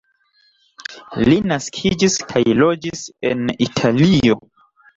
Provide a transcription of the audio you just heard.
Li naskiĝis kaj loĝis en Italio.